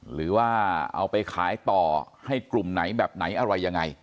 หรือว่าเอาไปขายต่อให้กลุ่มไหนแบบไหนอะไรยังไง